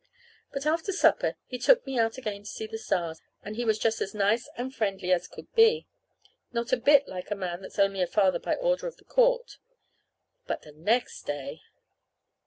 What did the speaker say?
But after supper he took me out again to see the stars, and he was just as nice and friendly as could be. Not a bit like a man that's only a father by order of the court. But the next day